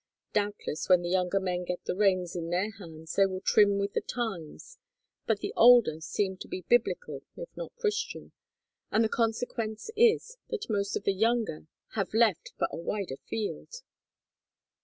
Doubtless when the younger men get the reins in their hands they will trim with the times, but the older seem to be Biblical if not Christian, and the consequence is that most of the younger have left for a wider field.